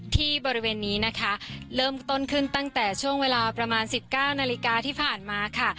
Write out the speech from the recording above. ที่บริเวณนี้นะคะเริ่มต้นขึ้นตั้งแต่ช่วงเวลาประมาณ๑๙นาฬิกาที่ผ่านมาค่ะ